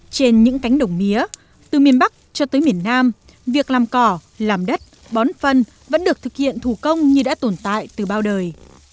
trên những cánh đồng mía từ miền bắc cho tới miền nam việc làm cỏ làm đất bón phân vẫn được thực hiện thủ công như đã tồn tại từ bao đời